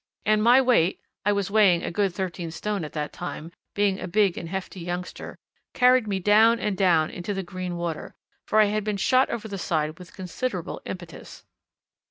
And my weight I was weighing a good thirteen stone at that time, being a big and hefty youngster carried me down and down into the green water, for I had been shot over the side with considerable impetus.